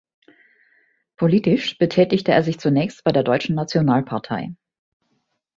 Politisch betätigte er sich zunächst bei der Deutschen Nationalpartei.